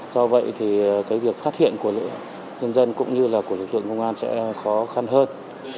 do vậy thì cái việc phát hiện của nhân dân cũng như là của lực lượng công an sẽ khó khăn hơn